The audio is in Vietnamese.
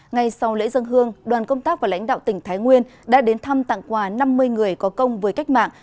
ngay sau lễ dân hương đoàn công tác và lãnh đạo tỉnh thái nguyên đã đến thăm tặng quà năm mươi người có công với cách mạng